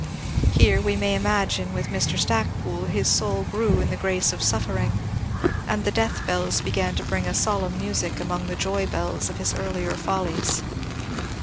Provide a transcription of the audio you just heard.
Here, we may imagine with Mr. Stacpoole, his soul grew in the grace of suffering, and the death bells began to bring a solemn music among the joy bells of his earlier follies.